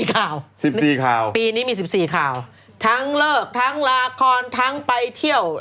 ข่าว๑๔ข่าวปีนี้มี๑๔ข่าวทั้งเลิกทั้งละครทั้งไปเที่ยว